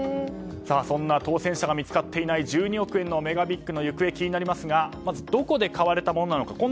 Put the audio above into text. そんな当せん者が見つかっていない１２億円のＭＥＧＡＢＩＧの行方気になりますがまずどこで買われたものなのか。